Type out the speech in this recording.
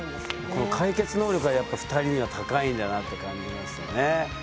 この解決能力はやっぱ２人には高いんだなって感じましたね。